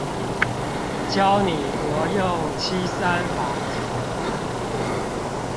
教你活用七三法則